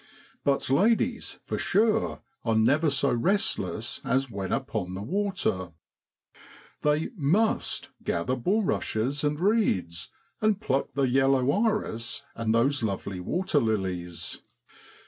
But ladies, for sure, are never so restless as when upon the water ! They must gather bulrushes and reeds, and pluck the yellow iris and those lovely waterlilies